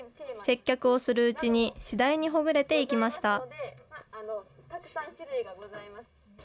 接客をするうちに、次第にほぐれていきました。